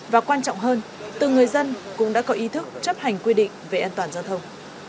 và quan trọng hơn từng người dân cũng đã có ý thức chấp hành quy định về an toàn giao thông